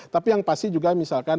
tapi yang pasti juga misalkan